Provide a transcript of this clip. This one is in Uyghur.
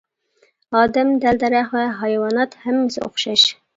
ئادەم، دەل-دەرەخ ۋە ھايۋانات ھەممىسى ئوخشاش.